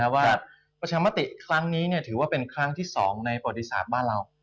ประชามติครั้งนี้ถือว่าเป็นครั้งที่๒ในประวัติศาสตร์บ้านเรา